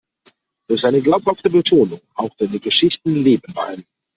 Durch seine glaubhafte Betonung haucht er den Geschichten Leben ein.